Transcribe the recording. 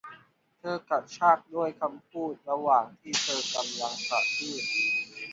เธอกระชากด้วยคำพูดระหว่างที่เธอกำลังสะอื้น